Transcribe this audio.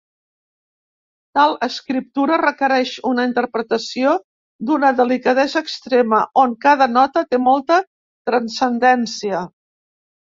Tal escriptura requereix una interpretació d'una delicadesa extrema, on cada nota té molta transcendència.